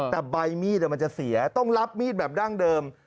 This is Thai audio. แต่ใบมีดมันจะเสียต้องรับมีดแบบดั้งเดิม